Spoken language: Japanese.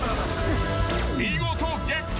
［見事ゲット］